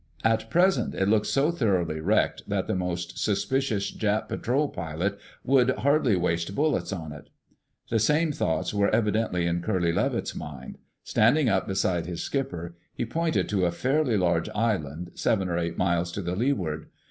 At present it looked so thoroughly wrecked that the most suspicious Jap patrol pilot would hardly waste bullets on it. The same thoughts were evidently in Curly Levitt's mind. Standing up beside his skipper, he pointed to a fairly large island, seven or eight miles to leeward.